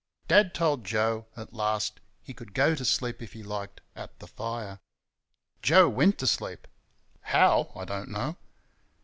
Dad told Joe, at last, he could go to sleep if he liked, at the fire. Joe went to sleep HOW, I don't know.